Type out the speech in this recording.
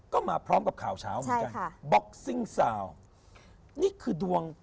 ก็มาพร้อมกับข่าวเช้าเหมือนกันค่ะบ็อกซิ่งซาวนี่คือดวง